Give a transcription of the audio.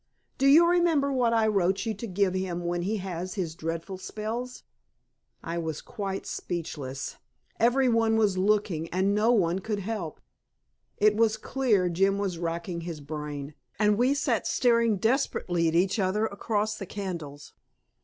Do you remember what I wrote you to give him when he has his dreadful spells?" I was quite speechless; every one was looking, and no one could help. It was clear Jim was racking his brain, and we sat staring desperately at each other across the candles.